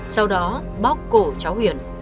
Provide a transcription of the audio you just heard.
sau đó bóc cổ cháu huyền